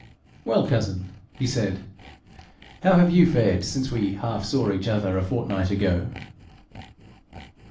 'Well, cousin,' he said, 'how have you fared since we half saw each other a fortnight ago?'